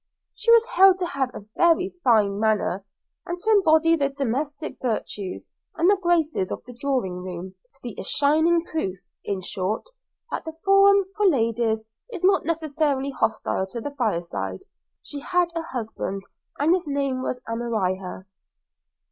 She was held to have a very fine manner, and to embody the domestic virtues and the graces of the drawing room; to be a shining proof, in short, that the forum, for ladies, is not necessarily hostile to the fireside. She had a husband, and his name was Amariah.